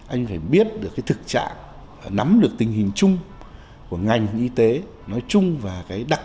anh phải biết được cái thực trạng nắm được tình hình chung của ngành y tế nói chung và cái đặc